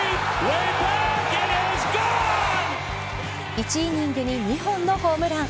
１イニングに２本のホームラン。